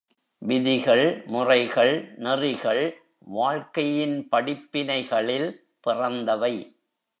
விதிகள், முறைகள், நெறிகள் வாழ்க்கையின் படிப்பினைகளில் பிறந்தவை.